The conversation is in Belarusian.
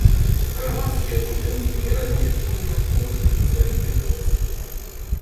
Грамадскія будынкі размешчаны на плошчы ў цэнтры вёскі.